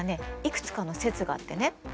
いくつかの説があってね。